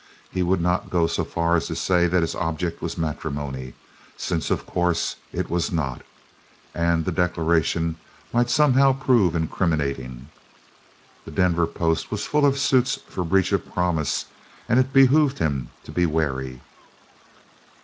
He would not go so far as to say that his object was matrimony, since, of course, it was not, and the declaration might somehow prove incriminating. The Denver Post was full of suits for breach of promise and it behooved him to be wary.